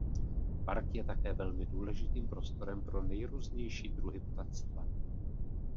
Park je také velmi důležitým prostorem pro nejrůznější druhy ptactva.